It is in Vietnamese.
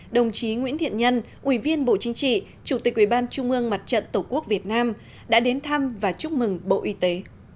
đồng chí nguyễn thiện nhân ủy viên bộ chính trị chủ tịch ubnd mặt trận tổ quốc việt nam đã đến thăm và chúc mừng bộ y tế